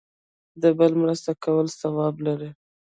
د بل مرسته کول ثواب لري